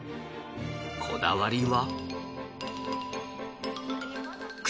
こだわりは。